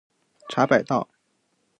茶百道